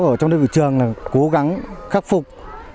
ở trong đời trường cố gắng khắc phục